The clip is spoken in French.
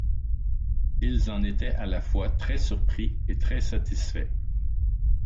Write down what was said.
Ils en étaient à la fois très surpris et très satisfaits.